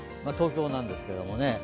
東京なんですけれどもね。